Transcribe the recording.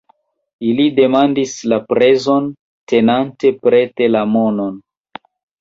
Ili demandis La prezon, tenante prete la monon.